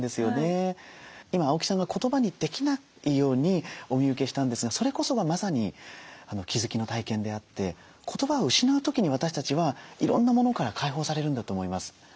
今青木さんが言葉にできないようにお見受けしたんですがそれこそがまさに気付きの体験であって言葉を失う時に私たちはいろんなものから解放されるんだと思います。